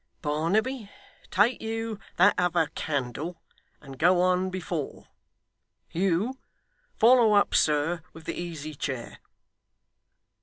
Barnaby, take you that other candle, and go on before. Hugh! Follow up, sir, with the easy chair.